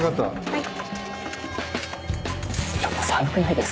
はい。